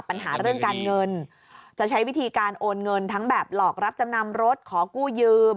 ปัญหาเรื่องการเงินจะใช้วิธีการโอนเงินทั้งแบบหลอกรับจำนำรถขอกู้ยืม